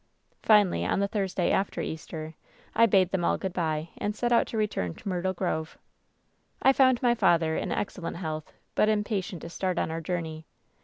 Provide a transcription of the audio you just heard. "Finally, on the Thursday after Easter, I bade them all good by and set out to return to Myrtle Grove. "I found my father in excellent health, but impatient to start on our journey.